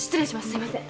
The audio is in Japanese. すいません。